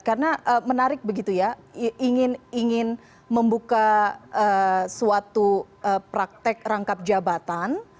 karena menarik begitu ya ingin membuka suatu praktek rangkap jabatan